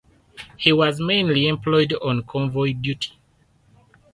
He was mainly employed on convoy duty.